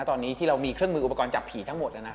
ตอนนี้ที่เรามีเครื่องมืออุปกรณ์จับผีทั้งหมดแล้วนะ